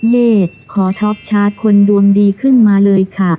เลขขอท็อปชาร์จคนดวงดีขึ้นมาเลยค่ะ